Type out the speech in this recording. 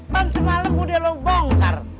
pan semalam udah lo bongkar